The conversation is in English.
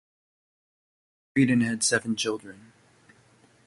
He married and had seven children.